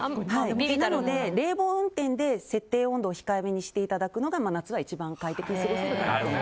なので、冷房にして設定温度を控えめにしていただくことが真夏は快適に過ごせます。